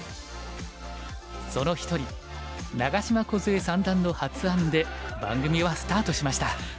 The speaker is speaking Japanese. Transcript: その一人長島梢恵三段の発案で番組はスタートしました。